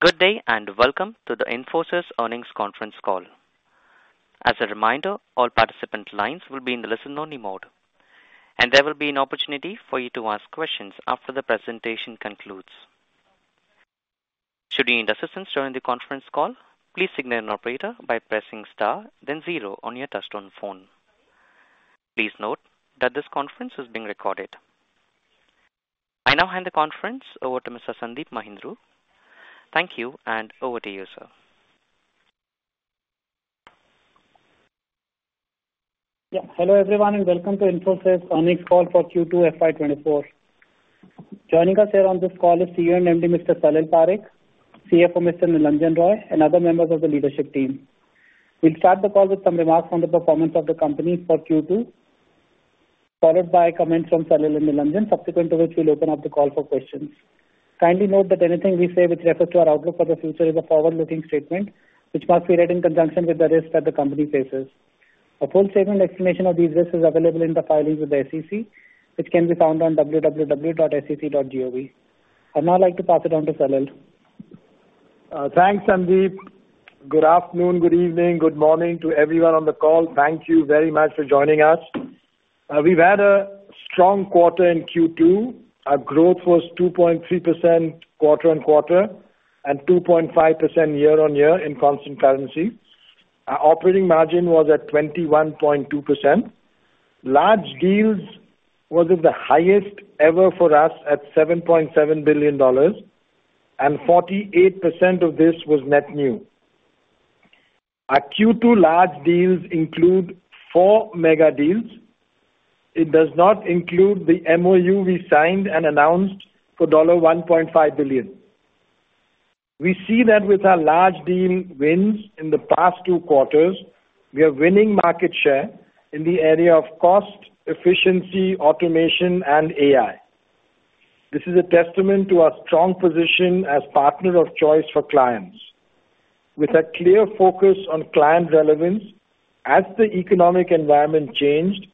Good day, and welcome to the Infosys Earnings Conference Call. As a reminder, all participant lines will be in the listen-only mode, and there will be an opportunity for you to ask questions after the presentation concludes. Should you need assistance during the conference call, please signal an operator by pressing star then zero on your touchtone phone. Please note that this conference is being recorded. I now hand the conference over to Mr. Sandeep Mahindroo. Thank you, and over to you, sir. Yeah. Hello, everyone, and welcome to Infosys Earnings Call for Q2 FY24. Joining us here on this call is CEO and MD, Mr. Salil Parekh, CFO, Mr. Nilanjan Roy, and other members of the leadership team. We'll start the call with some remarks on the performance of the company for Q2, followed by comments from Salil and Nilanjan, subsequent to which we'll open up the call for questions. Kindly note that anything we say which refers to our outlook for the future is a forward-looking statement, which must be read in conjunction with the risks that the company faces. A full statement explanation of these risks is available in the filings with the SEC, which can be found on www.sec.gov. I'd now like to pass it on to Salil. Thanks, Sandeep. Good afternoon, good evening, good morning to everyone on the call. Thank you very much for joining us. We've had a strong quarter in Q2. Our growth was 2.3% quarter-on-quarter and 2.5% year-on-year in constant currency. Our operating margin was at 21.2%. Large deals was of the highest ever for us at $7.7 billion, and 48% of this was net new. Our Q2 large deals include four mega deals. It does not include the MOU we signed and announced for $1.5 billion. We see that with our large deal wins in the past two quarters, we are winning market share in the area of cost, efficiency, automation, and AI. This is a testament to our strong position as partner of choice for clients. With a clear focus on client relevance, as the economic environment changed,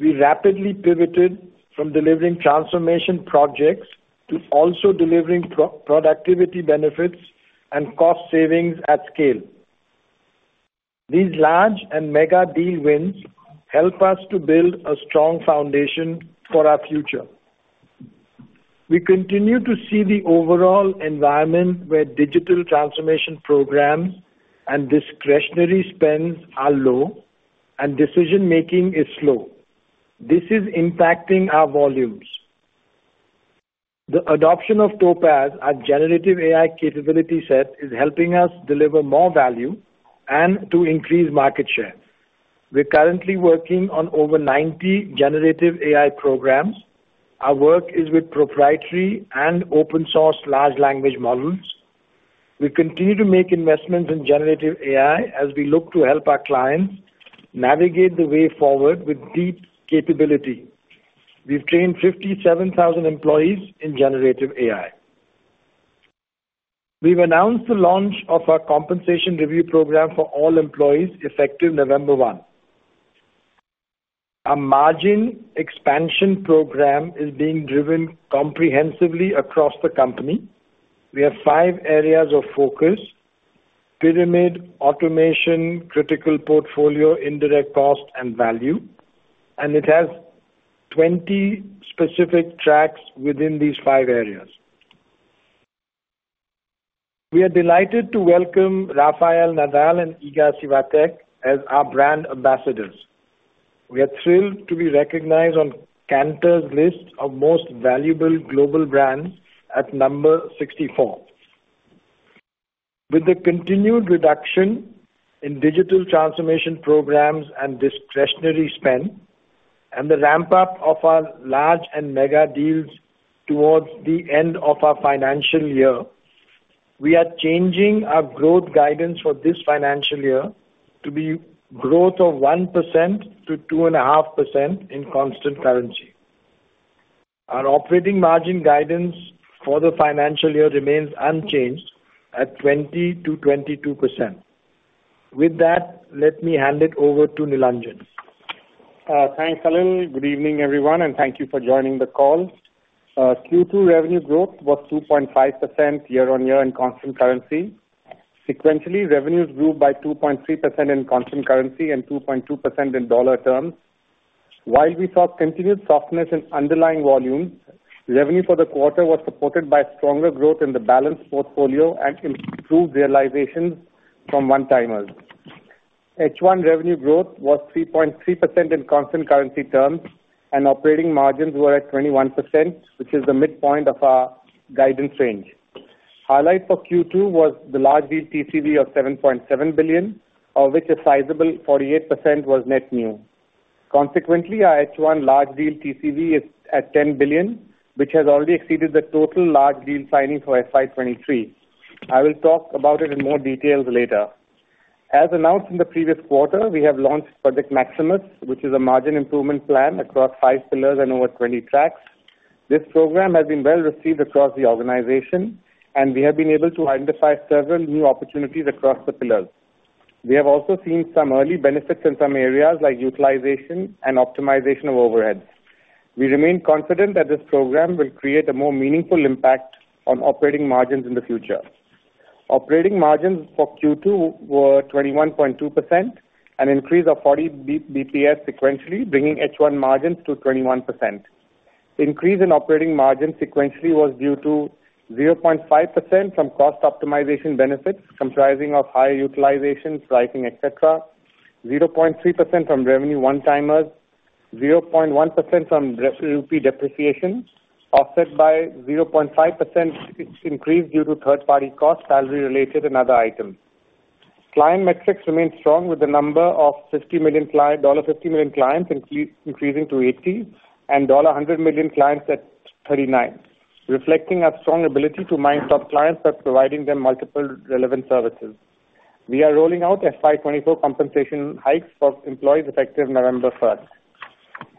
we rapidly pivoted from delivering transformation projects to also delivering pro-productivity benefits and cost savings at scale. These large and mega deal wins help us to build a strong foundation for our future. We continue to see the overall environment where digital transformation programs and discretionary spends are low and decision-making is slow. This is impacting our volumes. The adoption of Topaz, our generative AI capability set, is helping us deliver more value and to increase market share. We're currently working on over 90 generative AI programs. Our work is with proprietary and open source large language models. We continue to make investments in generative AI as we look to help our clients navigate the way forward with deep capability. We've trained 57,000 employees in generative AI. We've announced the launch of our compensation review program for all employees, effective November 1. Our margin expansion program is being driven comprehensively across the company. We have 5 areas of focus: pyramid, automation, critical portfolio, indirect cost, and value, and it has 20 specific tracks within these 5 areas. We are delighted to welcome Rafael Nadal and Iga Świątek as our brand ambassadors. We are thrilled to be recognized on Kantar's list of most valuable global brands at number 64. With the continued reduction in digital transformation programs and discretionary spend and the ramp-up of our large and mega deals towards the end of our financial year, we are changing our growth guidance for this financial year to be growth of 1% to 2.5% in constant currency. Our operating margin guidance for the financial year remains unchanged at 20%-22%. With that, let me hand it over to Nilanjan. Thanks, Salil. Good evening, everyone, and thank you for joining the call. Q2 revenue growth was 2.5% year-on-year in constant currency. Sequentially, revenues grew by 2.3% in constant currency and 2.2% in dollar terms. While we saw continued softness in underlying volumes, revenue for the quarter was supported by stronger growth in the balanced portfolio and improved realizations from one-timers. H1 revenue growth was 3.3% in constant currency terms, and operating margins were at 21%, which is the midpoint of our guidance range. Highlight for Q2 was the large deal TCV of $7.7 billion, of which a sizable 48% was net new. Consequently, our H1 large deal TCV is at $10 billion, which has already exceeded the total large deal signing for FY 2023. I will talk about it in more details later. As announced in the previous quarter, we have launched Project Maximus, which is a margin improvement plan across 5 pillars and over 20 tracks. This program has been well received across the organization, and we have been able to identify several new opportunities across the pillars. We have also seen some early benefits in some areas like utilization and optimization of overheads. We remain confident that this program will create a more meaningful impact on operating margins in the future. Operating margins for Q2 were 21.2%, an increase of 40 BPS sequentially, bringing H1 margins to 21%. The increase in operating margin sequentially was due to 0.5% from cost optimization benefits, comprising of higher utilization, pricing, et cetera. 0.3% from revenue one-timers, 0.1% from rupee depreciation, offset by 0.5% increase due to third-party costs, salary related and other items. Client metrics remain strong, with the number of $50 million clients increasing to 80 and $100 million clients at 39, reflecting our strong ability to mine top clients by providing them multiple relevant services. We are rolling out FY 2024 compensation hikes for employees effective November 1.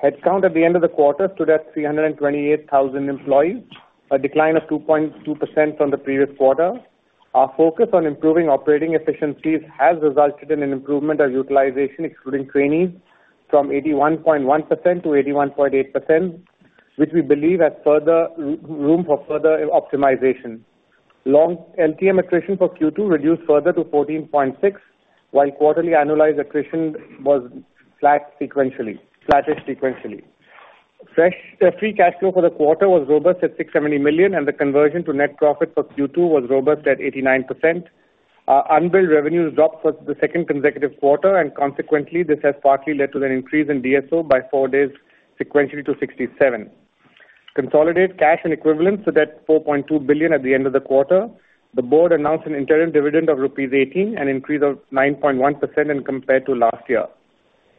Headcount at the end of the quarter stood at 328,000 employees, a decline of 2.2% from the previous quarter. Our focus on improving operating efficiencies has resulted in an improvement of utilization, excluding trainees, from 81.1% to 81.8%, which we believe has room for further optimization. Long LTM attrition for Q2 reduced further to 14.6, while quarterly annualized attrition was flat sequentially--flattish sequentially. Fresh free cash flow for the quarter was robust at $670 million, and the conversion to net profit for Q2 was robust at 89%. Our unbilled revenues dropped for the second consecutive quarter, and consequently, this has partly led to an increase in DSO by 4 days sequentially to 67. Consolidated cash and equivalents stood at $4.2 billion at the end of the quarter. The board announced an interim dividend of rupees 18, an increase of 9.1% when compared to last year.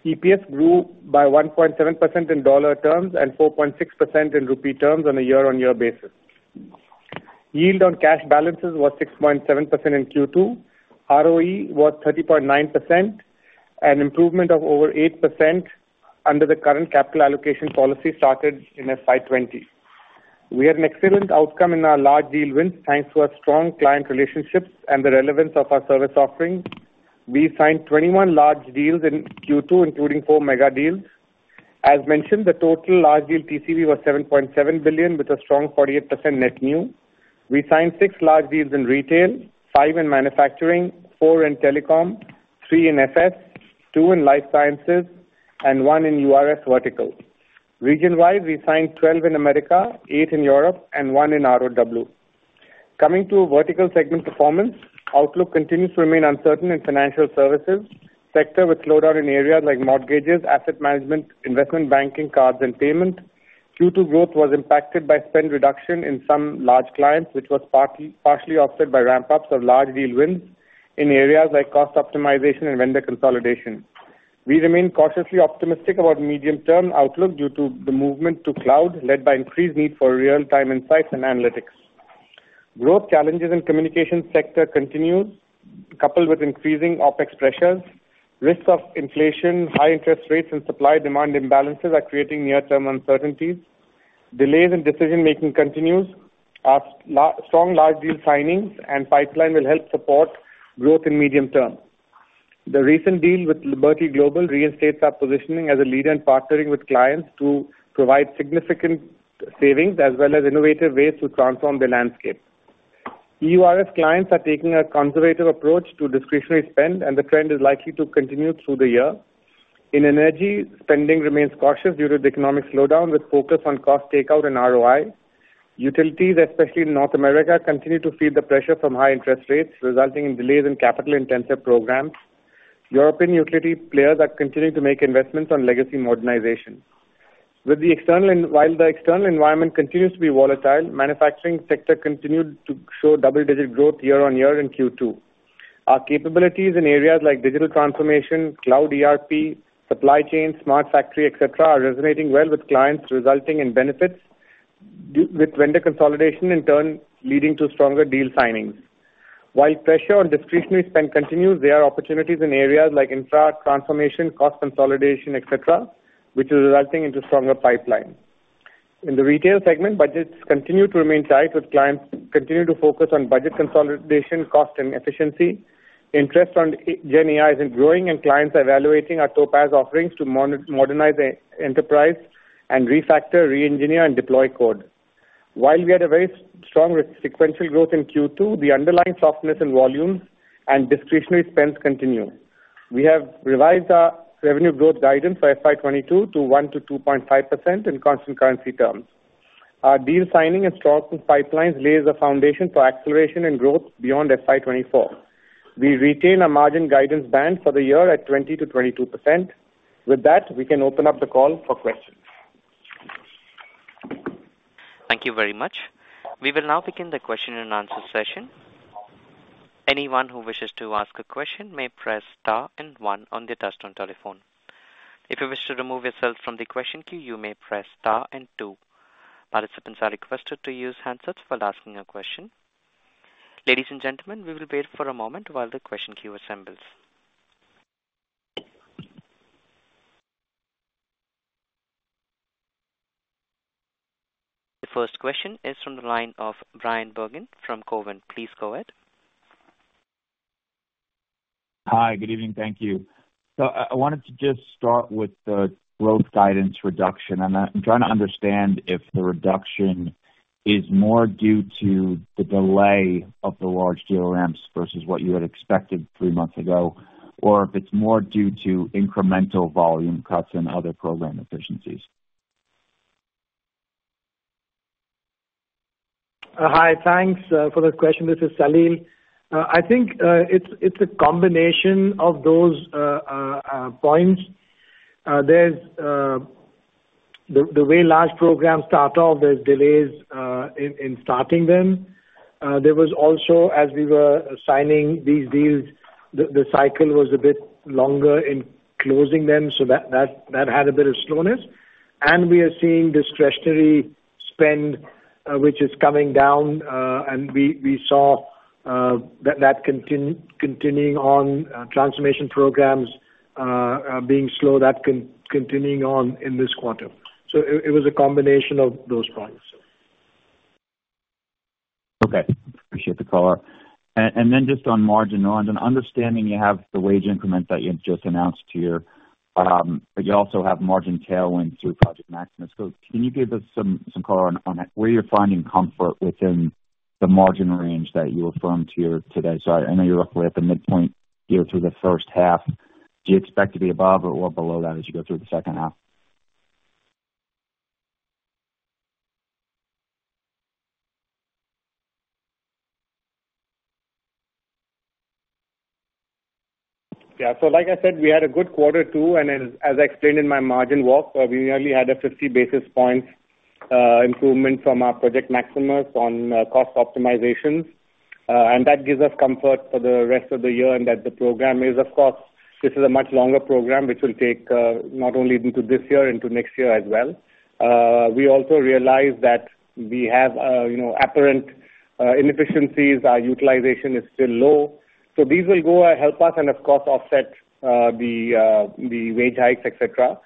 EPS grew by 1.7% in dollar terms and 4.6% in rupee terms on a year-on-year basis. Yield on cash balances was 6.7% in Q2. ROE was 30.9%, an improvement of over 8% under the current capital allocation policy started in FY 2020. We had an excellent outcome in our large deal wins, thanks to our strong client relationships and the relevance of our service offerings. We signed 21 large deals in Q2, including 4 mega deals. As mentioned, the total large deal TCV was $7.7 billion, with a strong 48% net new. We signed 6 large deals in retail, 5 in manufacturing, 4 in telecom, 3 in EURS, 2 in life sciences, and 1 in URS vertical. Region-wide, we signed 12 in America, 8 in Europe, and 1 in ROW. Coming to vertical segment performance, outlook continues to remain uncertain in financial services. Sector with slowdown in areas like mortgages, asset management, investment banking, cards, and payment. Q2 growth was impacted by spend reduction in some large clients, which was partly, partially offset by ramp-ups of large deal wins in areas like cost optimization and vendor consolidation. We remain cautiously optimistic about medium-term outlook due to the movement to cloud, led by increased need for real-time insights and analytics. Growth challenges in communication sector continue, coupled with increasing OpEx pressures. Risks of inflation, high interest rates, and supply-demand imbalances are creating near-term uncertainties. Delays in decision-making continues. Our strong large deal signings and pipeline will help support growth in medium term. The recent deal with Liberty Global reinstates our positioning as a leader in partnering with clients to provide significant savings as well as innovative ways to transform the landscape. US clients are taking a conservative approach to discretionary spend, and the trend is likely to continue through the year. In energy, spending remains cautious due to the economic slowdown, with focus on cost takeout and ROI. Utilities, especially in North America, continue to feel the pressure from high interest rates, resulting in delays in capital-intensive programs. European utility players are continuing to make investments on legacy modernization. While the external environment continues to be volatile, manufacturing sector continued to show double-digit growth year-over-year in Q2. Our capabilities in areas like digital transformation, cloud ERP, supply chain, smart factory, et cetera, are resonating well with clients, resulting in benefits with vendor consolidation, in turn leading to stronger deal signings. While pressure on discretionary spend continues, there are opportunities in areas like infra, transformation, cost consolidation, et cetera, which is resulting into stronger pipeline. In the retail segment, budgets continue to remain tight, with clients continuing to focus on budget consolidation, cost, and efficiency. Interest on GenAI is growing, and clients are evaluating our Topaz offerings to modernize the enterprise and refactor, reengineer, and deploy code. While we had a very strong sequential growth in Q2, the underlying softness in volumes and discretionary spends continue. We have revised our revenue growth guidance for FY 2024 to 1%-2.5% in constant currency terms. Our deal signing and strong pipelines lays the foundation for acceleration and growth beyond FY 2024. We retain our margin guidance band for the year at 20%-22%. With that, we can open up the call for questions. Thank you very much. We will now begin the question-and-answer session. Anyone who wishes to ask a question may press star and one on their touchtone telephone. If you wish to remove yourself from the question queue, you may press star and two. Participants are requested to use handsets while asking a question. Ladies and gentlemen, we will wait for a moment while the question queue assembles. The first question is from the line of Brian Bergin from Cowen. Please go ahead. Hi, good evening. Thank you. So I wanted to just start with the growth guidance reduction, and I'm trying to understand if the reduction is more due to the delay of the large deal ramps versus what you had expected three months ago, or if it's more due to incremental volume cuts and other program efficiencies? Hi, thanks for the question. This is Salil. I think it's a combination of those points. There's the way large programs start off, there's delays in starting them. There was also, as we were signing these deals, the cycle was a bit longer in closing them, so that had a bit of slowness. And we are seeing discretionary spend which is coming down, and we saw that continuing on transformation programs being slow, that continuing on in this quarter. So it was a combination of those points. Okay, appreciate the color. Then just on margins, I'm understanding you have the wage increment that you've just announced here, but you also have margin tailwind through Project Maximus. So can you give us some color on where you're finding comfort within the margin range that you affirmed here today? So I know you're roughly at the midpoint year through the first half. Do you expect to be above or below that as you go through the second half? Yeah. So like I said, we had a good quarter two, and as I explained in my margin walk, we nearly had a 50 basis points improvement from our Project Maximus on cost optimization. And that gives us comfort for the rest of the year, and that the program is, of course, this is a much longer program, which will take not only into this year, into next year as well. We also realize that we have, you know, apparent inefficiencies. Our utilization is still low, so these will go and help us and of course offset the wage hikes, et cetera.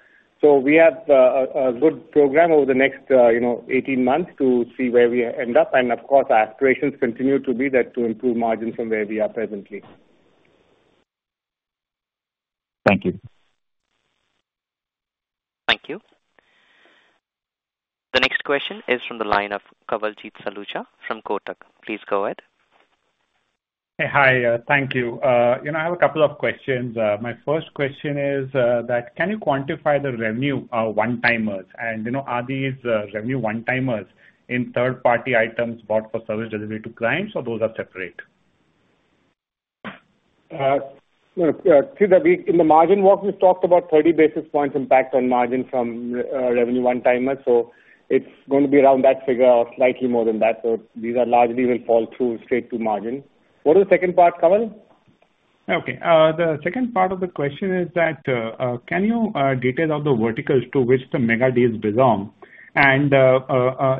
So we have a good program over the next, you know, 18 months to see where we end up. Of course, our aspirations continue to be that to improve margins from where we are presently. Thank you. Thank you. The next question is from the line of Kawaljeet Saluja from Kotak. Please go ahead. Hey, hi, thank you. You know, I have a couple of questions. My first question is, that can you quantify the revenue one-timers? And, you know, are these revenue one-timers in third-party items bought for service delivery to clients, or those are separate? You know, through the week, in the margin walk, we talked about 30 basis points impact on margin from revenue one-timers, so it's going to be around that figure or slightly more than that. So these are largely will fall through straight to margin. What was the second part, Kawal? Okay, the second part of the question is that, can you detail out the verticals to which the mega deals belong? And,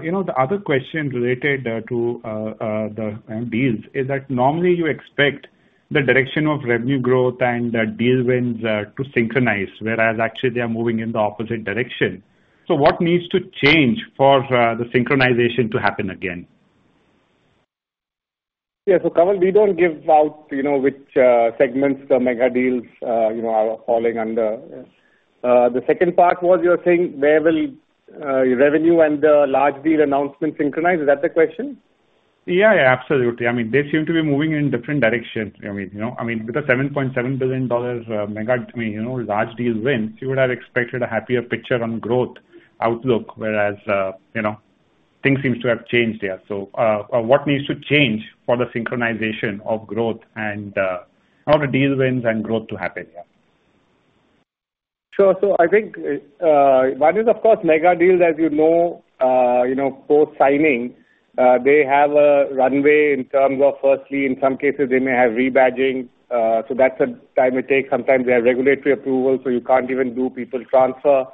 you know, the other question related to the deals, is that normally you expect the direction of revenue growth and the deal wins to synchronize, whereas actually they are moving in the opposite direction. So what needs to change for the synchronization to happen again? Yeah. So, Kawal, we don't give out, you know, which segments the mega deals, you know, are falling under. The second part was you're saying, where will revenue and the large deal announcement synchronize? Is that the question? Yeah, yeah, absolutely. I mean, they seem to be moving in different directions. I mean, you know, I mean, with the $7.7 billion, mega, I mean, you know, large deals wins, you would have expected a happier picture on growth outlook, whereas, you know, things seems to have changed there. So, what needs to change for the synchronization of growth and, for the deals wins and growth to happen? Yeah. Sure. So I think, one is, of course, mega deals, as you know, you know, post-signing, they have a runway in terms of, firstly, in some cases, they may have rebadging, so that's the time it takes. Sometimes they have regulatory approval, so you can't even do people transfer.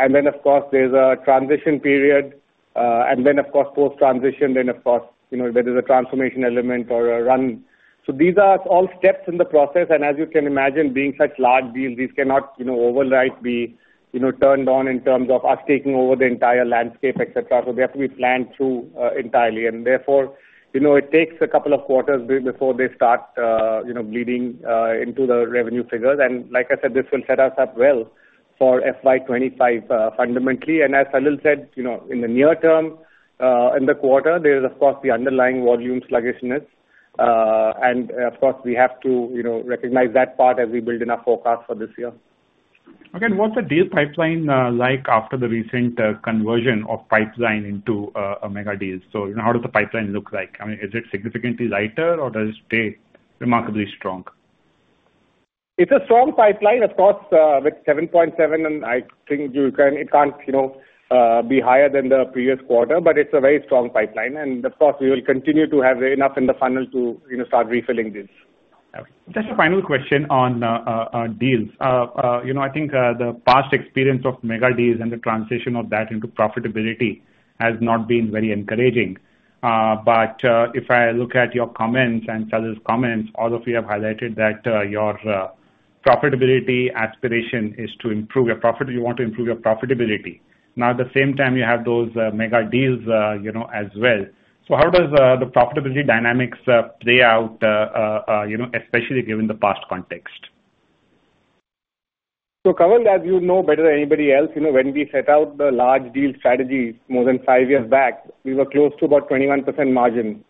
And then, of course, there's a transition period, and then of course, post-transition, then of course, you know, there is a transformation element or a run. So these are all steps in the process, and as you can imagine, being such large deals, these cannot, you know, overnight be, you know, turned on in terms of us taking over the entire landscape, et cetera. So they have to be planned through entirely. And therefore, you know, it takes a couple of quarters before they start, you know, bleeding into the revenue figures. Like I said, this will set us up well for FY 25, fundamentally. And as Salil said, you know, in the near term, in the quarter, there is of course, the underlying volume sluggishness. And of course, we have to, you know, recognize that part as we build in our forecast for this year. Okay. What's the deal pipeline like after the recent conversion of pipeline into a mega deal? So how does the pipeline look like? I mean, is it significantly lighter or does it stay remarkably strong? It's a strong pipeline, of course, with 7.7, and I think it can't, you know, be higher than the previous quarter, but it's a very strong pipeline. And of course, we will continue to have enough in the funnel to, you know, start refilling this. Just a final question on deals. You know, I think the past experience of mega deals and the transition of that into profitability has not been very encouraging. But if I look at your comments and Salil's comments, all of you have highlighted that your profitability aspiration is to improve your profit. You want to improve your profitability. Now, at the same time, you have those mega deals, you know, as well. So how does the profitability dynamics play out, you know, especially given the past context? Kawal, as you know better than anybody else, you know, when we set out the large deal strategy more than five years back, we were close to about 21% margin.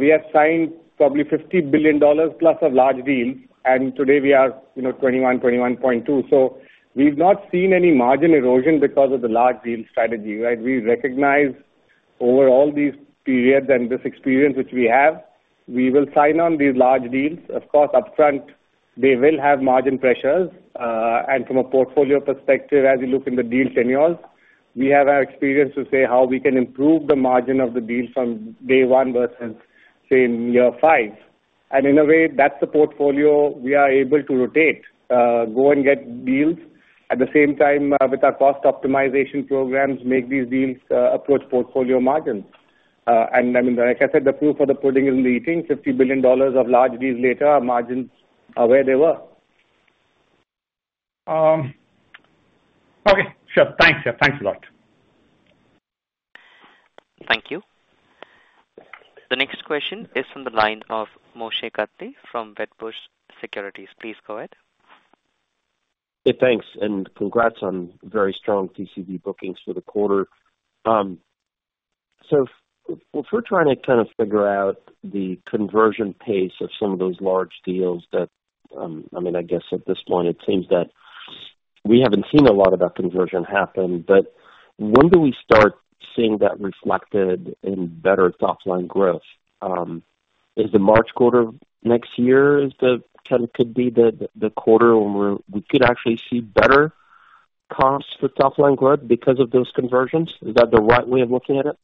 We have signed probably $50 billion plus of large deals, and today we are, you know, 21, 21.2. So we've not seen any margin erosion because of the large deal strategy, right? We recognize over all these periods and this experience which we have, we will sign on these large deals. Of course, upfront, they will have margin pressures. And from a portfolio perspective, as you look in the deal tenures, we have our experience to say how we can improve the margin of the deals from day one versus, say, in year five. In a way, that's the portfolio we are able to rotate, go and get deals at the same time, with our cost optimization programs, make these deals, approach portfolio margins. I mean, like I said, the proof of the pudding is in the eating. $50 billion of large deals later, our margins are where they were. Okay. Sure. Thanks. Yeah, thanks a lot. Thank you. The next question is from the line of Moshe Katri from Wedbush Securities. Please go ahead. Hey, thanks, and congrats on very strong TCB bookings for the quarter. So if we're trying to kind of figure out the conversion pace of some of those large deals that, I mean, I guess at this point it seems that we haven't seen a lot of that conversion happen. But when do we start seeing that reflected in better top line growth? Is the March quarter next year, is the kind of could be the, the quarter when we're, we could actually see better comps for top line growth because of those conversions? Is that the right way of looking at it?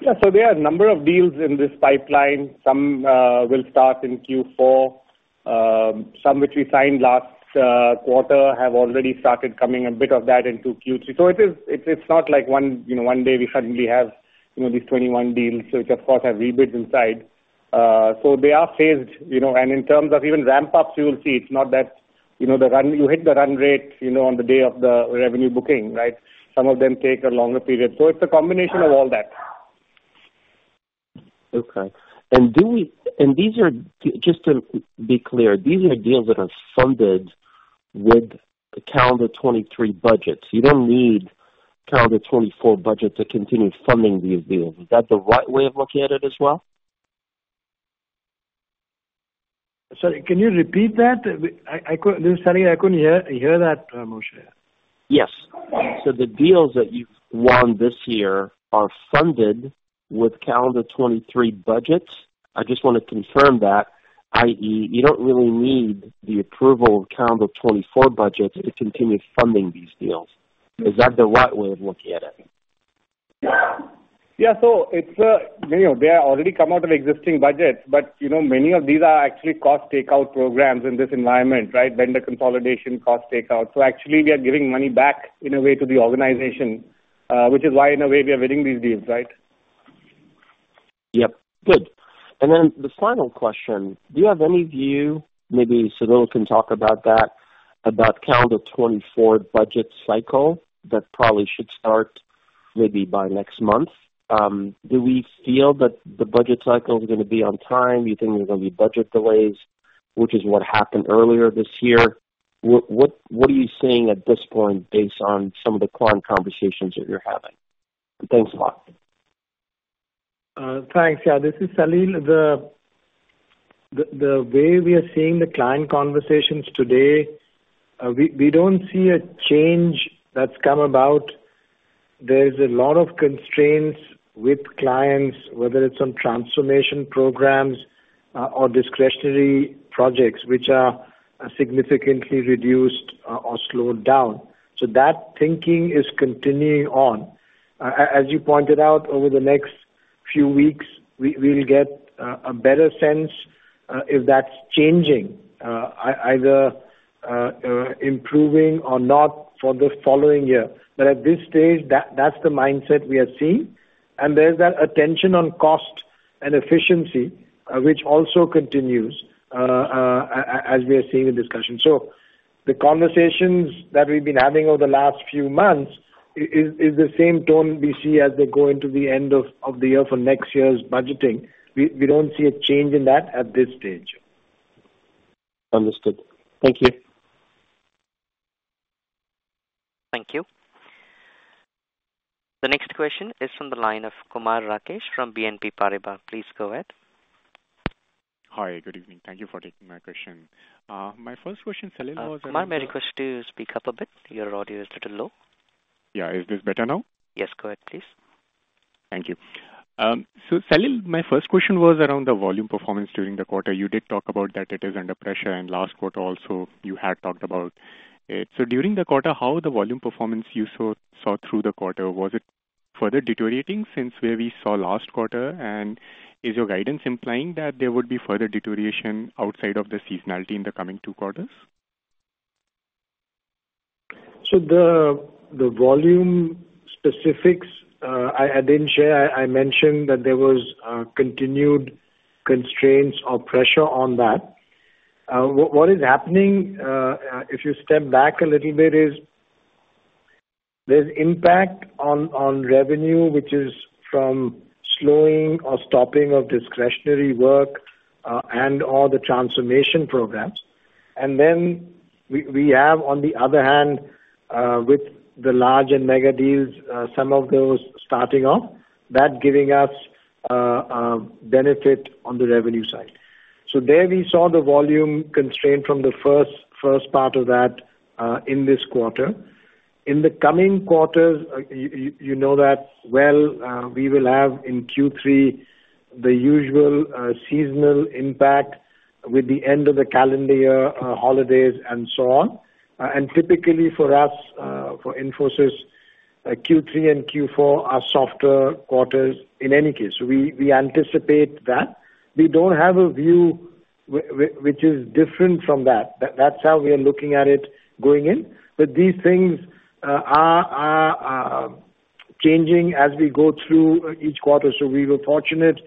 Yeah. So there are a number of deals in this pipeline. Some will start in Q4. Some which we signed last quarter have already started coming, a bit of that into Q3. So it is, it's, it's not like one, you know, one day we suddenly have, you know, these 21 deals, which of course have rebids inside. So they are phased, you know, and in terms of even ramp up, you will see it's not that, you know, the run, you hit the run rate, you know, on the day of the revenue booking, right? Some of them take a longer period. So it's a combination of all that. Okay. And these are, just to be clear, these are deals that are funded with calendar 2023 budgets. You don't need calendar 2024 budget to continue funding these deals. Is that the right way of looking at it as well? Sorry, can you repeat that? Sorry, I couldn't hear that, Moshe. Yes. So the deals that you've won this year are funded with calendar 2023 budgets. I just want to confirm that, i.e., you don't really need the approval of calendar 2024 budgets to continue funding these deals. Is that the right way of looking at it? Yeah. So it's many of they are already come out of existing budgets, but you know, many of these are actually cost takeout programs in this environment, right? Vendor Consolidation, cost takeout. So actually we are giving money back in a way to the organization, which is why in a way we are winning these deals, right? Yep. Good. And then the final question: Do you have any view, maybe Salil can talk about that, about calendar 2024 budget cycle? That probably should start maybe by next month. Do we feel that the budget cycle is gonna be on time? Do you think there are gonna be budget delays, which is what happened earlier this year? What, what, what are you seeing at this point based on some of the client conversations that you're having? Thanks a lot. Thanks. Yeah, this is Salil. The way we are seeing the client conversations today, we don't see a change that's come about. There's a lot of constraints with clients, whether it's on transformation programs or discretionary projects, which are significantly reduced or slowed down. So that thinking is continuing on. As you pointed out, over the next few weeks, we'll get a better sense if that's changing, either improving or not for the following year. But at this stage, that's the mindset we are seeing. And there's that attention on cost and efficiency, which also continues, as we are seeing in discussion. So the conversations that we've been having over the last few months is the same tone we see as they go into the end of the year for next year's budgeting. We don't see a change in that at this stage. Understood. Thank you. Thank you. The next question is from the line of Kumar Rakesh from BNP Paribas. Please go ahead. Hi, good evening. Thank you for taking my question. My first question, Salil, was- Kumar, may I request you to speak up a bit? Your audio is little low. Yeah. Is this better now? Yes, go ahead, please. Thank you. So Salil, my first question was around the volume performance during the quarter. You did talk about that it is under pressure, and last quarter also you had talked about it. So during the quarter, how was the volume performance you saw through the quarter? Was it further deteriorating since where we saw last quarter? And is your guidance implying that there would be further deterioration outside of the seasonality in the coming two quarters? So the volume specifics I didn't share. I mentioned that there was continued constraints or pressure on that. What is happening if you step back a little bit is there's impact on revenue, which is from slowing or stopping of discretionary work and/or the transformation programs. And then we have on the other hand with the large and mega deals some of those starting off that giving us benefit on the revenue side. So there we saw the volume constraint from the first part of that in this quarter. In the coming quarters you know that well we will have in Q3 the usual seasonal impact with the end of the calendar year holidays and so on. And typically for us, for Infosys, Q3 and Q4 are softer quarters in any case. We anticipate that. We don't have a view which is different from that. That's how we are looking at it going in. But these things are changing as we go through each quarter. So we were fortunate.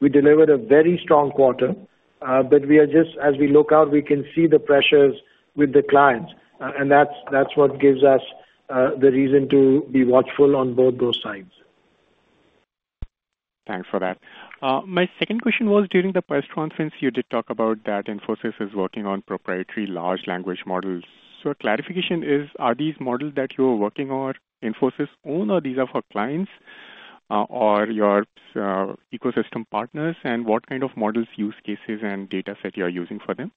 We delivered a very strong quarter, but we are just as we look out, we can see the pressures with the clients, and that's what gives us the reason to be watchful on both those sides. Thanks for that. My second question was, during the press conference, you did talk about that Infosys is working on proprietary large language models. So clarification is, are these models that you are working on Infosys own, or these are for clients, or your ecosystem partners? And what kind of models, use cases, and data set you are using for them?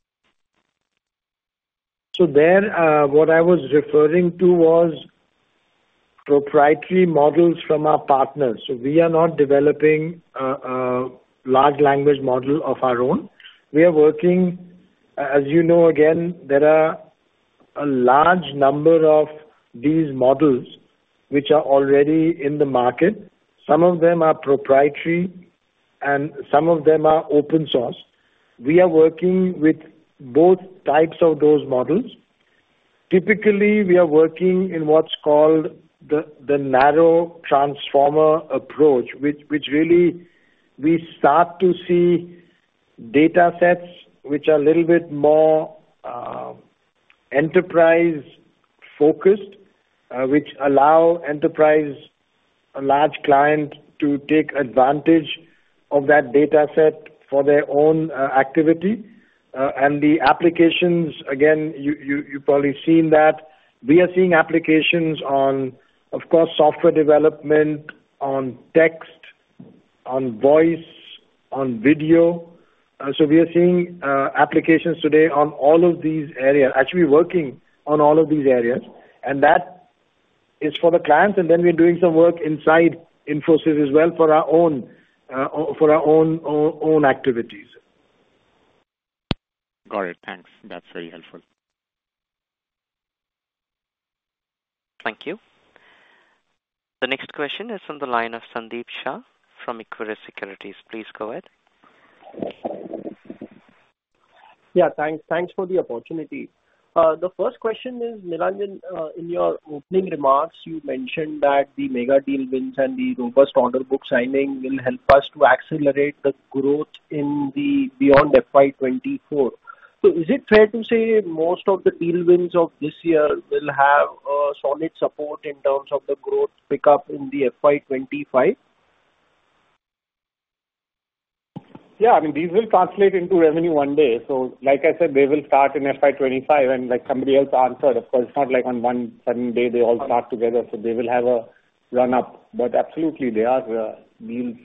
So there, what I was referring to was proprietary models from our partners. So we are not developing a large language model of our own. We are working, as you know, again, there are a large number of these models which are already in the market. Some of them are proprietary, and some of them are open source. We are working with both types of those models. Typically, we are working in what's called the Narrow Transformer approach, which really we start to see data sets which are a little bit more enterprise-focused, which allow enterprise, a large client, to take advantage of that data set for their own activity. And the applications, again, you've probably seen that. We are seeing applications on, of course, software development, on text, on voice, on video. So we are seeing applications today on all of these areas, actually working on all of these areas, and that is for the clients, and then we're doing some work inside Infosys as well, for our own activities. Got it. Thanks. That's very helpful. Thank you. The next question is from the line of Sandeep Shah from Equirus Securities. Please go ahead. Yeah, thanks. Thanks for the opportunity. The first question is, Nilanjan, in your opening remarks, you mentioned that the mega deal wins and the robust order book signing will help us to accelerate the growth in the beyond FY 2024. So is it fair to say most of the deal wins of this year will have solid support in terms of the growth pickup in the FY 2025? Yeah, I mean, these will translate into revenue one day. So like I said, they will start in FY 25, and like somebody else answered, of course, it's not like on one sudden day, they all start together, so they will have a run up. But absolutely, they are.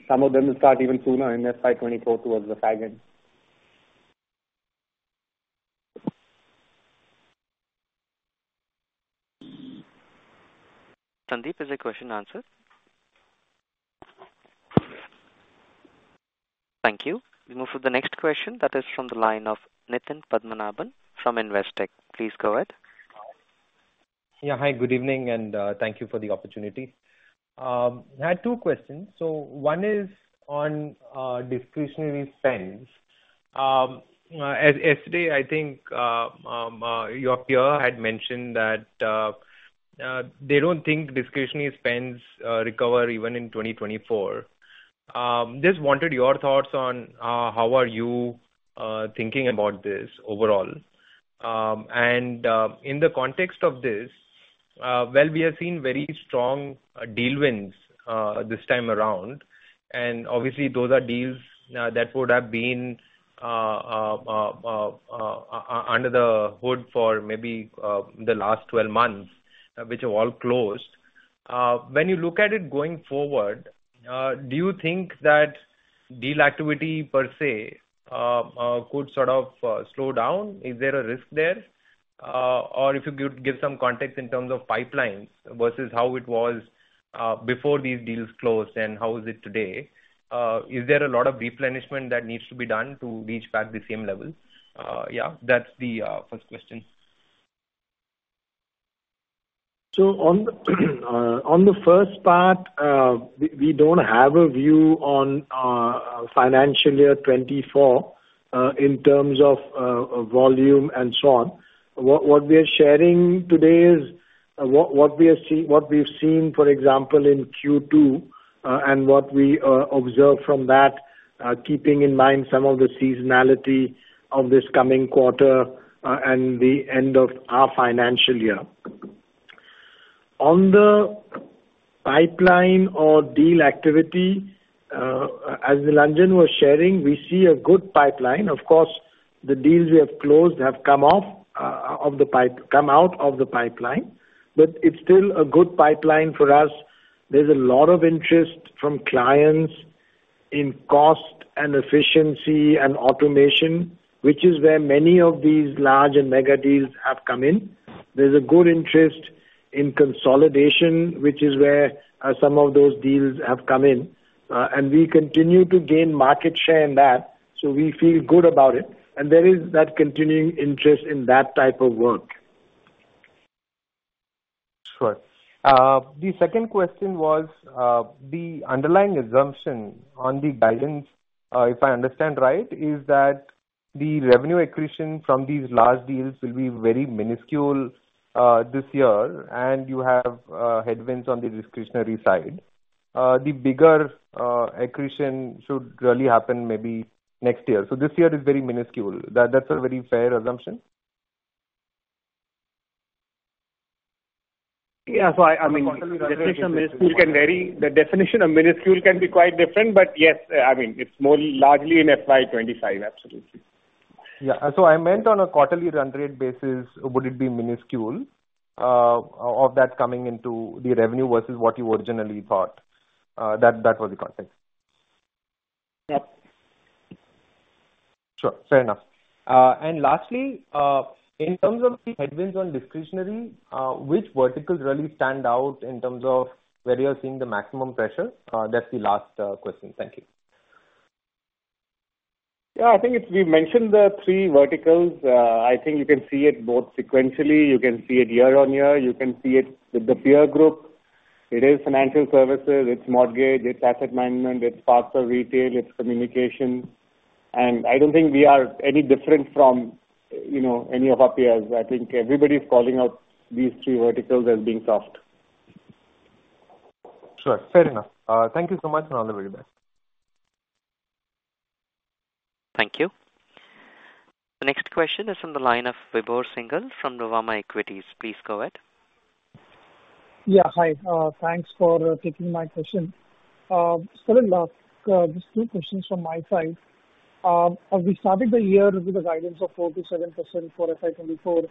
Some of them will start even sooner in FY 24, towards the second. Sandeep, is your question answered? Thank you. We move to the next question. That is from the line of Nitin Padmanabhan from Investec. Please go ahead. Yeah. Hi, good evening, and thank you for the opportunity. I had two questions. So one is on discretionary spends. Yesterday, I think, your peer had mentioned that they don't think discretionary spends recover even in 2024. Just wanted your thoughts on how are you thinking about this overall? And in the context of this, well, we have seen very strong deal wins this time around, and obviously those are deals that would have been under the hood for maybe the last 12 months, which have all closed. When you look at it going forward, do you think that deal activity per se could sort of slow down? Is there a risk there? Or if you give, give some context in terms of pipelines versus how it was before these deals closed and how is it today. Is there a lot of replenishment that needs to be done to reach back the same level? Yeah, that's the first question. So on the first part, we don't have a view on financial year 2024 in terms of volume and so on. What we are sharing today is what we've seen, for example, in Q2 and what we observe from that, keeping in mind some of the seasonality of this coming quarter and the end of our financial year. On the pipeline or deal activity, as Nilanjan was sharing, we see a good pipeline. Of course, the deals we have closed have come off of the pipe, come out of the pipeline, but it's still a good pipeline for us. There's a lot of interest from clients in cost and efficiency and automation, which is where many of these large and mega deals have come in. There's a good interest in consolidation, which is where some of those deals have come in, and we continue to gain market share in that, so we feel good about it. There is that continuing interest in that type of work. Sure. The second question was, the underlying assumption on the guidance, if I understand right, is that the revenue accretion from these large deals will be very minuscule, this year, and you have headwinds on the discretionary side. The bigger accretion should really happen maybe next year. So this year is very minuscule. That's a very fair assumption? Yeah. So I mean, minuscule can vary. The definition of minuscule can be quite different, but yes, I mean, it's more largely in FY 2025. Absolutely. Yeah. So I meant on a quarterly run rate basis, would it be minuscule, of that coming into the revenue versus what you originally thought? That was the context. Yes. Sure. Fair enough. And lastly, in terms of the headwinds on discretionary, which verticals really stand out in terms of where you're seeing the maximum pressure? That's the last question. Thank you. Yeah, I think it's... We mentioned the three verticals. I think you can see it both sequentially, you can see it year-on-year, you can see it with the peer group. It is financial services, it's mortgage, it's asset management, it's parts of retail, it's communication. And I don't think we are any different from, you know, any of our peers. I think everybody is calling out these three verticals as being soft. Sure. Fair enough. Thank you so much, and all the very best. Thank you. The next question is on the line of Vibhor Singhal from Nuvama Equities. Please go ahead. Yeah, hi. Thanks for taking my question. Salil, just two questions from my side. As we started the year with a guidance of 4%-7% for FY 2024,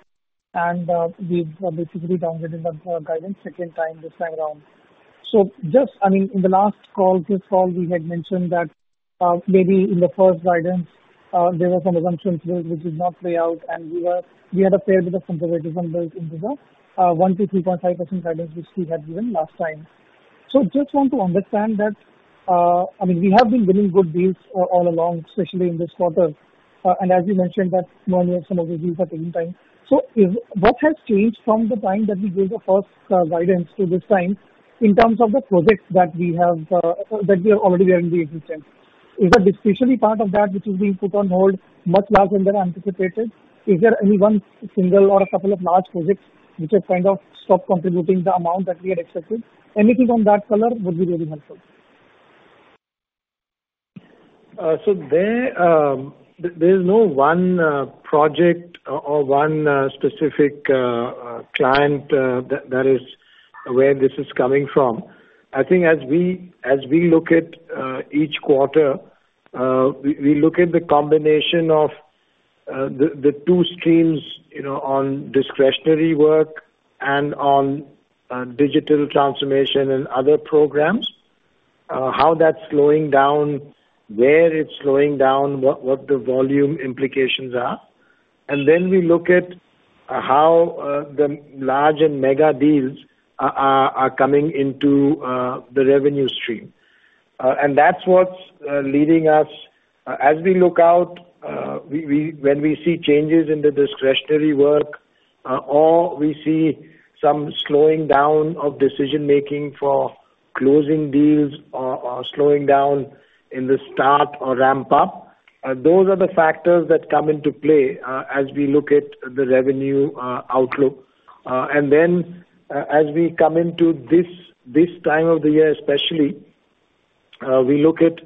and we've basically downgraded that guidance second time this time around. So just, I mean, in the last call, this call, we had mentioned that, maybe in the first guidance, there were some assumptions which did not play out, and we were, we had a fair bit of conservative numbers in the 1%-3.5% guidance, which we had given last time. So just want to understand that, I mean, we have been winning good deals all along, especially in this quarter. And as you mentioned, that normally some of the deals are taking time. So if what has changed from the time that we gave the first guidance to this time in terms of the projects that we have that we are already aware in the instance? Is the discretionary part of that which is being put on hold much larger than anticipated? Is there any one single or a couple of large projects which have kind of stopped contributing the amount that we had expected? Anything on that color would be really helpful. So, there's no one project or one specific client that is where this is coming from. I think as we look at each quarter, we look at the combination of the two streams, you know, on discretionary work and on digital transformation and other programs, how that's slowing down, where it's slowing down, what the volume implications are. And then we look at how the large and mega deals are coming into the revenue stream. And that's what's leading us. As we look out, when we see changes in the discretionary work, or we see some slowing down of decision making for closing deals or slowing down in the start or ramp up, those are the factors that come into play, as we look at the revenue outlook. And then, as we come into this time of the year especially, we look at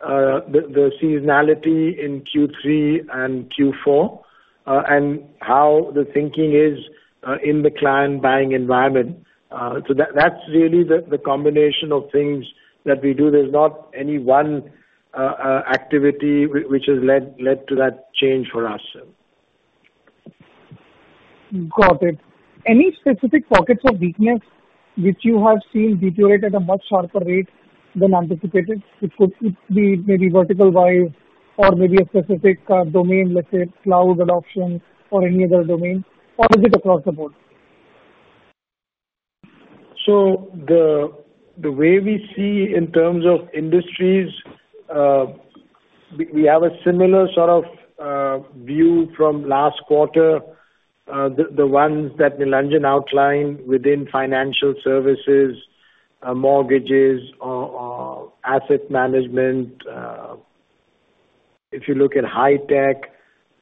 the seasonality in Q3 and Q4, and how the thinking is in the client buying environment. So that, that's really the combination of things that we do. There's not any one activity which has led to that change for us. Got it. Any specific pockets of weakness which you have seen deteriorate at a much sharper rate than anticipated? It could be maybe vertical wise or maybe a specific domain, let's say, cloud adoption or any other domain, or is it across the board? So the way we see in terms of industries, we have a similar sort of view from last quarter. The ones that Nilanjan outlined within financial services, mortgages, asset management—if you look at high tech,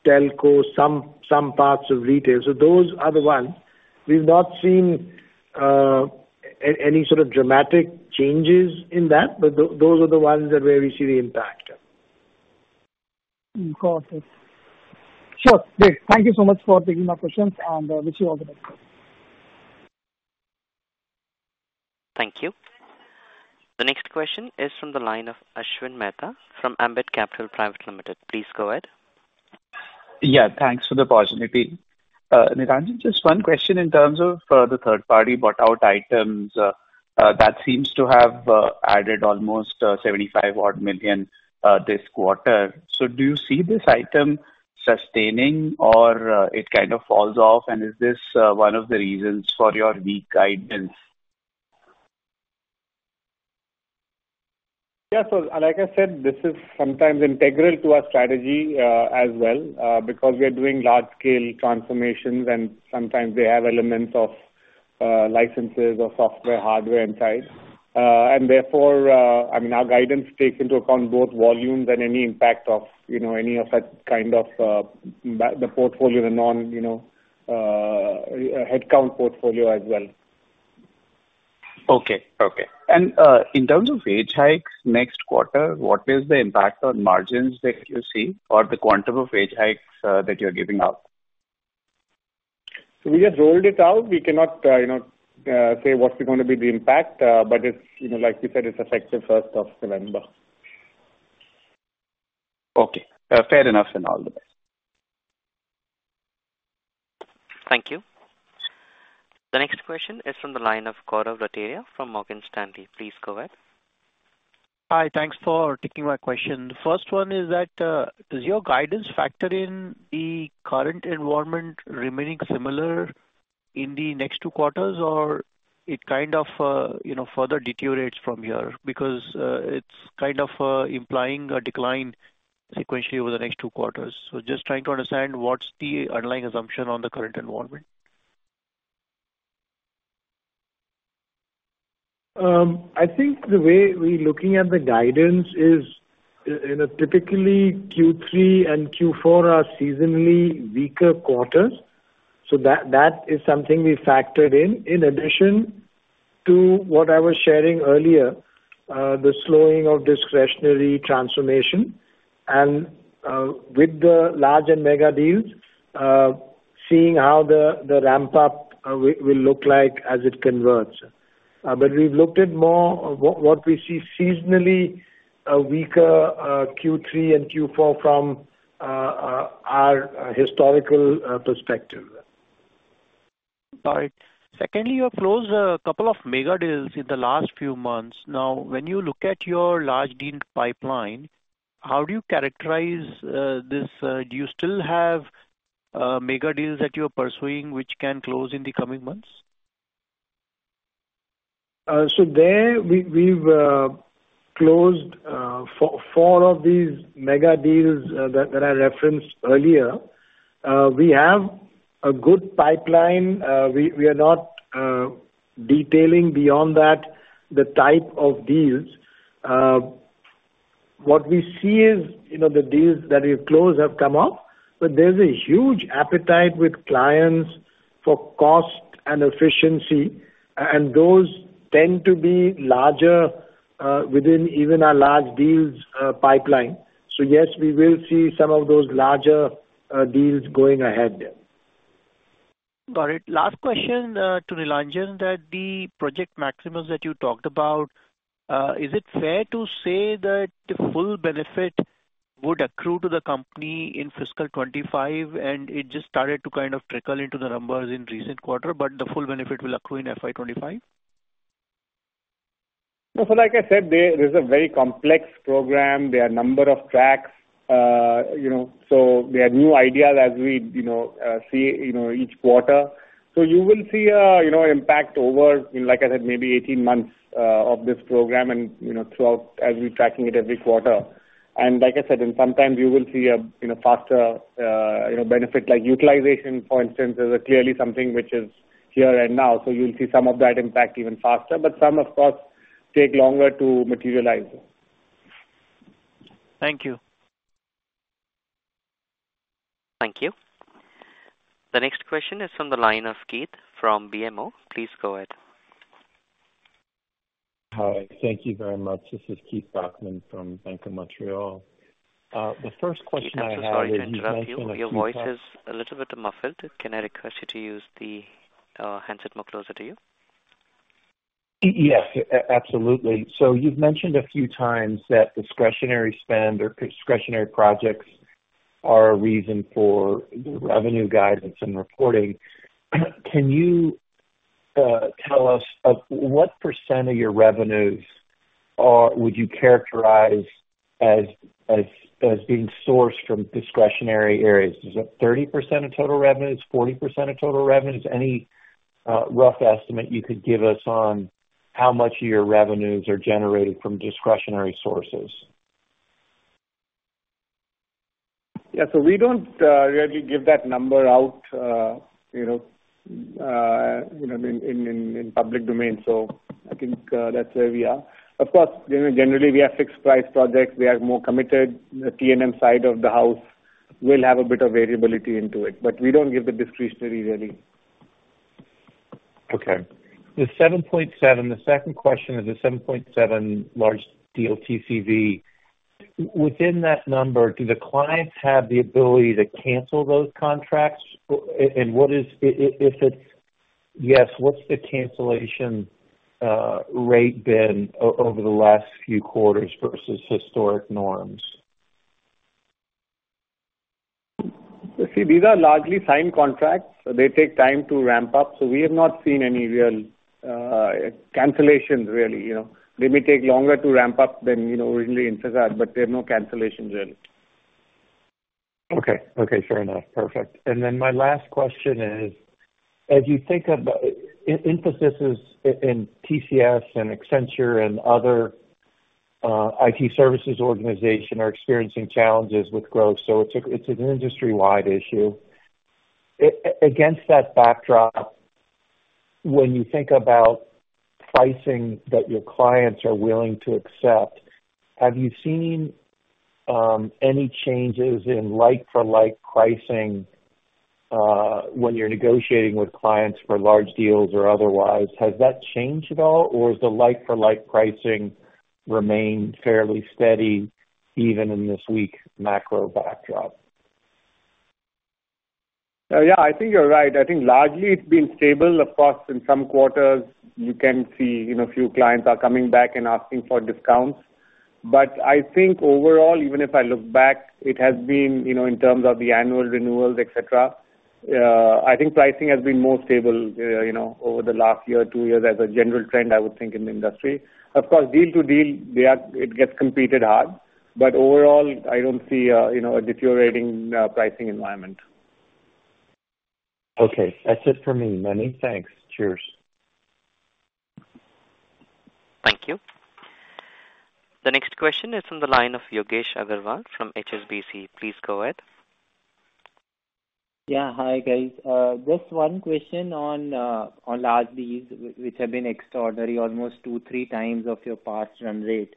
telco, some parts of retail, so those are the ones. We've not seen any sort of dramatic changes in that, but those are the ones that where we see the impact. Got it. Sure. Great, thank you so much for taking my questions, and wish you all the best. Thank you. The next question is from the line of Ashwin Mehta from Ambit Capital Private Limited. Please go ahead. Yeah, thanks for the possibility. Nilanjan, just one question in terms of the third-party buyout items that seems to have added almost $75 million this quarter. So do you see this item sustaining or it kind of falls off? Is this one of the reasons for your weak guidance? Yeah, so like I said, this is sometimes integral to our strategy, as well, because we are doing large-scale transformations and sometimes we have elements of, licenses or software, hardware inside. And therefore, I mean, our guidance takes into account both volumes and any impact of, you know, any of that kind of, the portfolio, the non, you know, headcount portfolio as well. Okay. Okay. And in terms of wage hikes next quarter, what is the impact on margins that you see or the quantum of wage hikes that you're giving out? We just rolled it out. We cannot, you know, say what's going to be the impact, but it's, you know, like we said, it's effective first of November. Okay, fair enough, and all the best. Thank you. The next question is from the line of Gaurav Rateria from Morgan Stanley. Please go ahead. Hi, thanks for taking my question. First one is that, does your guidance factor in the current environment remaining similar in the next two quarters, or it kind of, you know, further deteriorates from here? Because, it's kind of, implying a decline sequentially over the next two quarters. Just trying to understand what's the underlying assumption on the current environment. I think the way we're looking at the guidance is, in a typically Q3 and Q4 are seasonally weaker quarters, so that is something we factored in. In addition to what I was sharing earlier, the slowing of discretionary transformation and, with the large and mega deals, seeing how the ramp up will look like as it converts. But we've looked at more what we see seasonally a weaker Q3 and Q4 from our historical perspective. All right. Secondly, you have closed a couple of mega deals in the last few months. Now, when you look at your large deal pipeline, how do you characterize this? Do you still have mega deals that you're pursuing, which can close in the coming months? So there we, we've closed four of these mega deals that I referenced earlier. We have a good pipeline. We are not detailing beyond that, the type of deals. What we see is, you know, the deals that we've closed have come up, but there's a huge appetite with clients for cost and efficiency, and those tend to be larger within even our large deals pipeline. So yes, we will see some of those larger deals going ahead. Got it. Last question, to Nilanjan, that the Project Maximus that you talked about, is it fair to say that the full benefit would accrue to the company in fiscal 25, and it just started to kind of trickle into the numbers in recent quarter, but the full benefit will accrue in FY 25? No, so like I said, this is a very complex program. There are a number of tracks, you know, so there are new ideas as we, you know, see, you know, each quarter. So you will see a, you know, impact over, like I said, maybe 18 months, of this program and, you know, throughout as we're tracking it every quarter. And like I said, and sometimes you will see a, you know, faster, you know, benefit, like utilization, for instance, is clearly something which is here and now. So you'll see some of that impact even faster, but some of course take longer to materialize. Thank you. Thank you. The next question is from the line of Keith from BMO. Please go ahead. Hi, thank you very much. This is Keith Bachman from Bank of Montreal. The first question I have- Sorry to interrupt you. Your voice is a little bit muffled. Can I request you to use the handset more closer to you? Yes, absolutely. So you've mentioned a few times that discretionary spend or discretionary projects are a reason for the revenue guidance and reporting. Can you tell us of what percent of your revenues are, would you characterize as being sourced from discretionary areas? Is it 30% of total revenues, 40% of total revenues? Any rough estimate you could give us on how much of your revenues are generated from discretionary sources? ...Yeah, so we don't really give that number out, you know, you know, in public domain. So I think that's where we are. Of course, you know, generally we have fixed price projects. We are more committed. The T&M side of the house will have a bit of variability into it, but we don't give the discretionary really. Okay. The $7.7, the second question is the $7.7 large deal TCV. Within that number, do the clients have the ability to cancel those contracts? And what is, if it's yes, what's the cancellation rate been over the last few quarters versus historic norms? You see, these are largely signed contracts, so they take time to ramp up. So we have not seen any real, cancellations really, you know. They may take longer to ramp up than, you know, originally anticipated, but there are no cancellations really. Okay. Okay, fair enough. Perfect. And then my last question is, as you think of, emphasis is in TCS and Accenture and other IT services organizations are experiencing challenges with growth, so it's a, it's an industry-wide issue. Against that backdrop, when you think about pricing that your clients are willing to accept, have you seen any changes in like-for-like pricing when you're negotiating with clients for large deals or otherwise? Has that changed at all, or has the like-for-like pricing remained fairly steady even in this weak macro backdrop? Yeah, I think you're right. I think largely it's been stable. Of course, in some quarters you can see, you know, a few clients are coming back and asking for discounts. But I think overall, even if I look back, it has been, you know, in terms of the annual renewals, et cetera, I think pricing has been more stable, you know, over the last year or two years as a general trend, I would think, in the industry. Of course, deal to deal, they are. It gets competed hard. But overall, I don't see a, you know, a deteriorating pricing environment. Okay. That's it for me, Many. Thanks. Cheers. Thank you. The next question is from the line of Yogesh Aggarwal from HSBC. Please go ahead. Yeah. Hi, guys. Just one question on large deals which have been extraordinary, almost 2-3 times of your past run rate.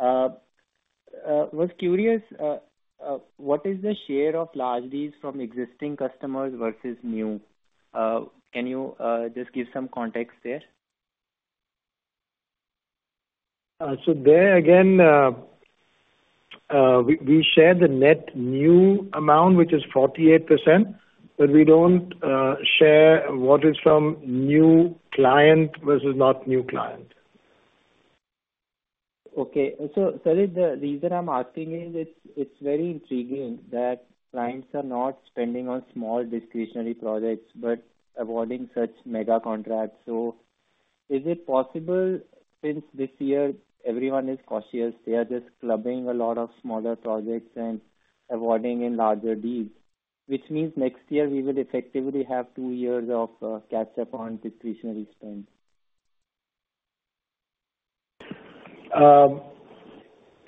Was curious, what is the share of large deals from existing customers versus new? Can you just give some context there? So there again, we share the net new amount, which is 48%, but we don't share what is from new client versus not new client. Okay. So, sorry, the reason I'm asking is it's very intriguing that clients are not spending on small discretionary projects, but awarding such mega contracts. So is it possible, since this year everyone is cautious, they are just clubbing a lot of smaller projects and awarding in larger deals, which means next year we will effectively have two years of catch up on discretionary spend?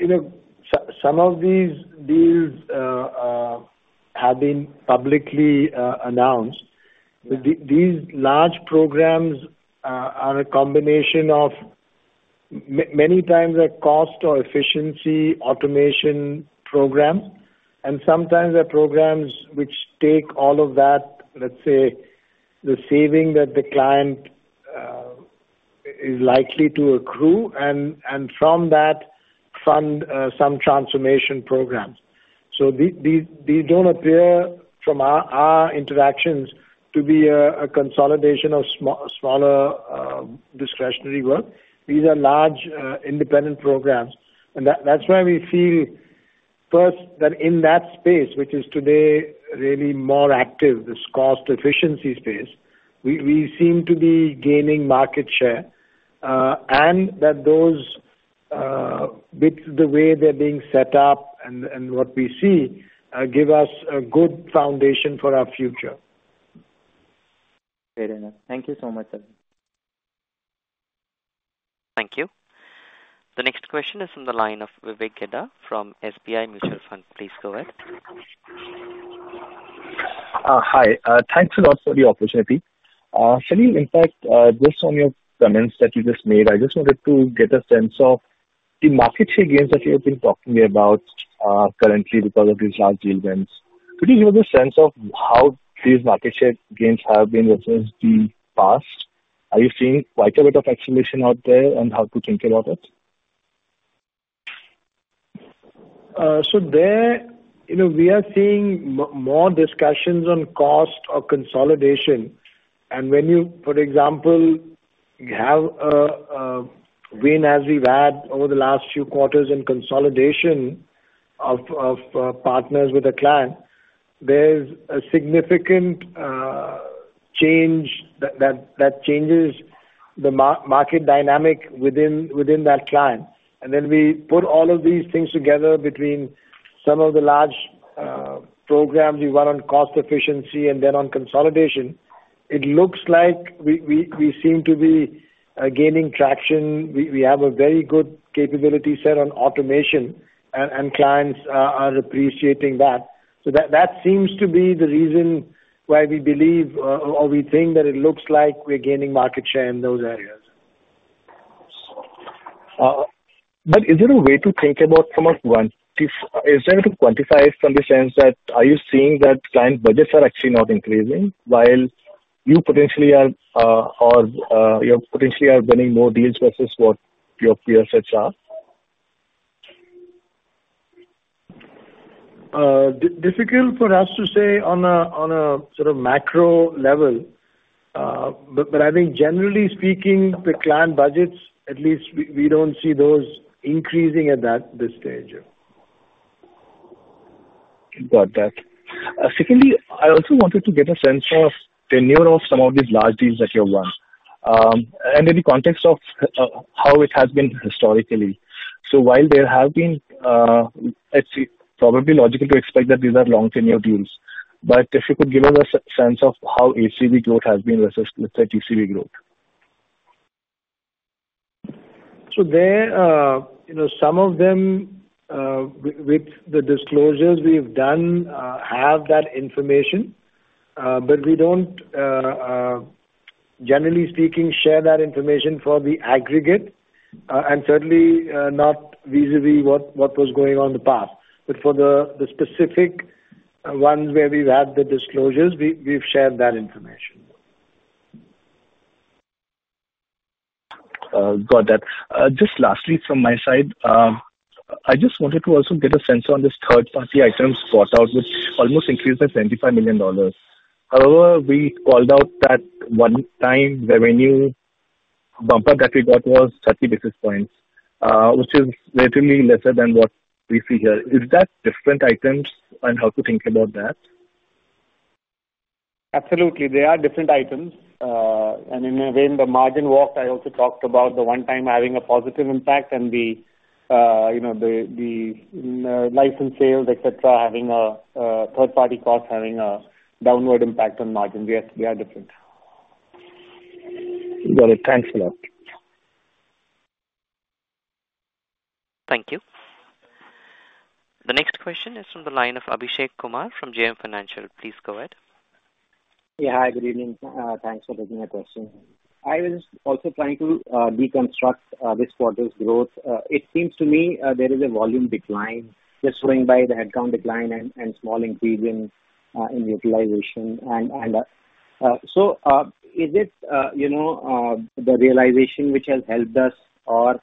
You know, some of these deals have been publicly announced. These large programs are a combination of many times a cost or efficiency automation program, and sometimes they're programs which take all of that, let's say, the saving that the client is likely to accrue, and from that fund some transformation programs. So these don't appear from our interactions to be a consolidation of smaller discretionary work. These are large independent programs. And that's why we feel, first, that in that space, which is today really more active, this cost efficiency space, we seem to be gaining market share, and that those with the way they're being set up and what we see give us a good foundation for our future. Fair enough. Thank you so much. Thank you. The next question is from the line of Vivek Gedda from SBI Mutual Fund. Please go ahead. Hi. Thanks a lot for the opportunity. Salil, in fact, based on your comments that you just made, I just wanted to get a sense of the market share gains that you have been talking about, currently because of these large deal wins. Could you give a sense of how these market share gains have been versus the past? Are you seeing quite a bit of acceleration out there, and how to think about it? So there, you know, we are seeing more discussions on cost or consolidation. And when you, for example, have a win, as we've had over the last few quarters in consolidation of partners with a client, there's a significant change that changes the market dynamic within that client. And then we put all of these things together between some of the large programs we run on cost efficiency and then on consolidation. It looks like we seem to be gaining traction. We have a very good capability set on automation, and clients are appreciating that. So that seems to be the reason why we believe or we think that it looks like we're gaining market share in those areas. But is there a way to quantify it from the sense that are you seeing that client budgets are actually not increasing, while you potentially are, or, you potentially are winning more deals versus what your peers are? Difficult for us to say on a sort of macro level. But I think generally speaking, the client budgets, at least we don't see those increasing at this stage. Got that. Secondly, I also wanted to get a sense of the tenure of some of these large deals that you have won, and in the context of how it has been historically. So while there have been, it's probably logical to expect that these are long tenure deals. But if you could give us a sense of how ACV growth has been versus, let's say, TCV growth. So, there, you know, some of them, with the disclosures we've done, have that information. But we don't, generally speaking, share that information for the aggregate, and certainly, not vis-à-vis what was going on in the past. But for the specific ones where we've had the disclosures, we've shared that information. Got that. Just lastly from my side, I just wanted to also get a sense on this third party item bought out, which almost increased by $75 million. However, we called out that one time revenue bumper that we got was 30 basis points, which is relatively lesser than what we see here. Is that different items, and how to think about that? Absolutely. They are different items. And then again, the margin walk, I also talked about the one-time having a positive impact and the, you know, the license sales, et cetera, having a third-party cost, having a downward impact on margin. Yes, they are different. Got it. Thanks a lot. Thank you. The next question is from the line of Abhishek Kumar from JM Financial. Please go ahead. Yeah. Hi, good evening. Thanks for taking my question. I was also trying to deconstruct this quarter's growth. It seems to me there is a volume decline, just going by the headcount decline and small increase in utilization. So, is it, you know, the realization which has helped us or,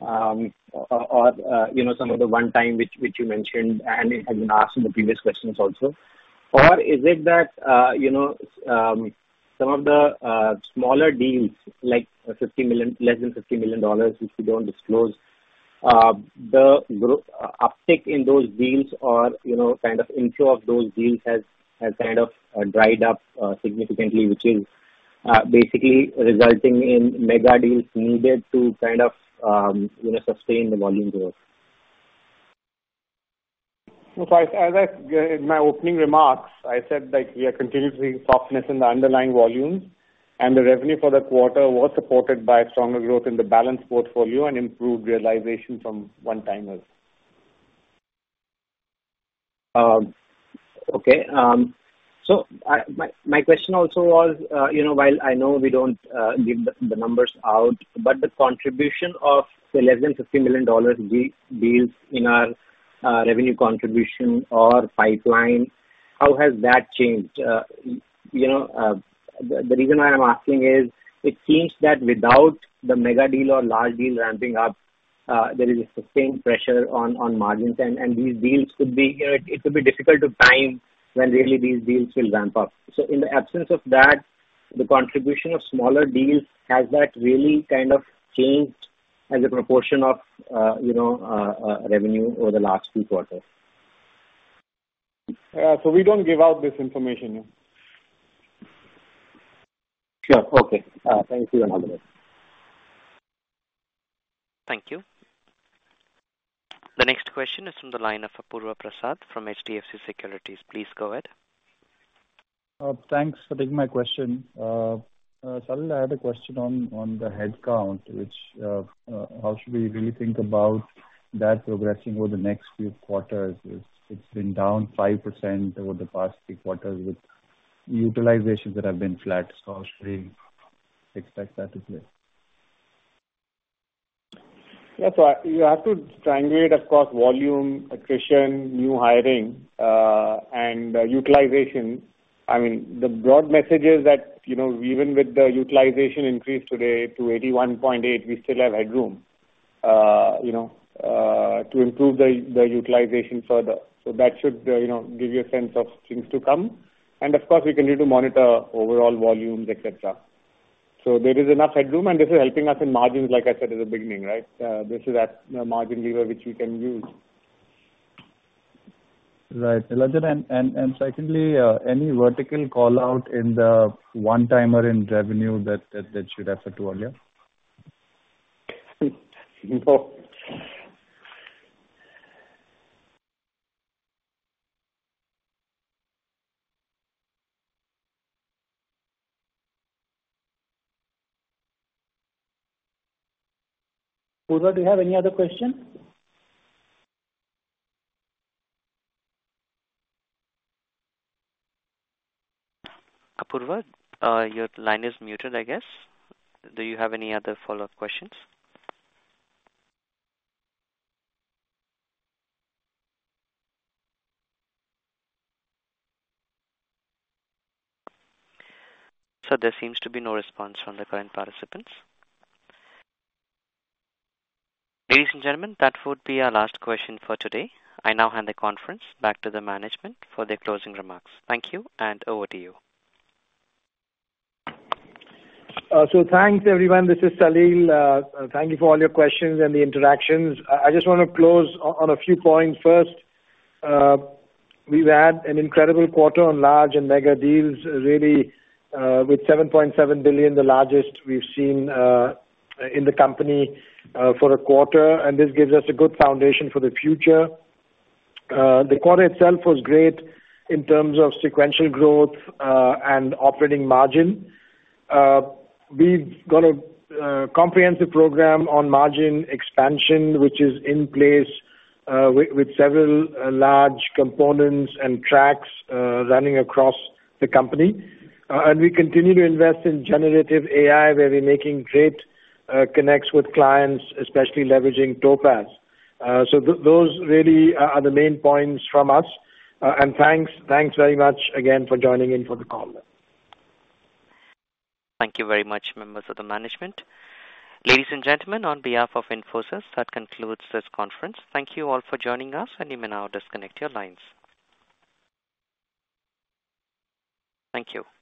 you know, some of the one-time which you mentioned, and it has been asked in the previous questions also? Or is it that, you know, some of the smaller deals, like $50 million, less than $50 million, which you don't disclose, the growth, uptick in those deals or, you know, kind of inflow of those deals has, has kind of dried up significantly, which is basically resulting in mega deals needed to kind of, you know, sustain the volume growth. So, as I said in my opening remarks, we are continuing to see softness in the underlying volumes, and the revenue for the quarter was supported by stronger growth in the balance portfolio and improved realization from one-timers. Okay. So my question also was, you know, while I know we don't give the numbers out, but the contribution of the less than $50 million deals in our revenue contribution or pipeline, how has that changed? You know, the reason why I'm asking is, it seems that without the mega deal or large deal ramping up, there is the same pressure on margins, and these deals could be, it could be difficult to time when really these deals will ramp up. So in the absence of that, the contribution of smaller deals, has that really kind of changed as a proportion of, you know, revenue over the last few quarters? Yeah. So we don't give out this information. Sure. Okay. Thank you and have a good day. Thank you. The next question is from the line of Apurva Prasad from HDFC Securities. Please go ahead. Thanks for taking my question. Salil, I had a question on the headcount, which, how should we really think about that progressing over the next few quarters? It's been down 5% over the past three quarters, with utilizations that have been flat. How should we expect that to play? Yeah. So you have to triangulate, of course, volume, attrition, new hiring, and utilization. I mean, the broad message is that, you know, even with the utilization increase today to 81.8%, we still have headroom to improve the, the utilization further. So that should give you a sense of things to come. And of course, we can need to monitor overall volumes, et cetera. So there is enough headroom, and this is helping us in margins, like I said in the beginning, right? This is at a margin lever, which we can use. Right, and secondly, any vertical call-out in the one-timer in revenue that should affect you earlier? .Apurva, do you have any other question? Apurva, your line is muted, I guess. Do you have any other follow-up questions? Sir, there seems to be no response from the current participants. Ladies and gentlemen, that would be our last question for today. I now hand the conference back to the management for their closing remarks. Thank you, and over to you. So thanks, everyone. This is Salil. Thank you for all your questions and the interactions. I just want to close on a few points. First, we've had an incredible quarter on large and mega deals, really, with $7.7 billion, the largest we've seen in the company for a quarter, and this gives us a good foundation for the future. The quarter itself was great in terms of sequential growth and operating margin. We've got a comprehensive program on margin expansion, which is in place, with several large components and tracks running across the company. And we continue to invest in generative AI, where we're making great connects with clients, especially leveraging Topaz. So those really are the main points from us. Thanks, thanks very much again for joining in for the call. Thank you very much, members of the management. Ladies and gentlemen, on behalf of Infosys, that concludes this conference. Thank you all for joining us, and you may now disconnect your lines. Thank you.